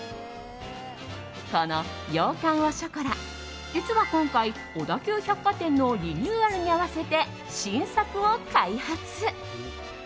このヨーカン・オ・ショコラ実は今回、小田急百貨店のリニューアルに合わせて新作を開発。